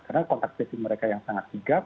karena kontak sesi mereka yang sangat sigap